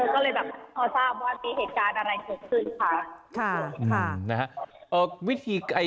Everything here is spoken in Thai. ก็เลยแบบพอทราบว่ามีเหตุการณ์อะไรเกิดขึ้นค่ะนะฮะ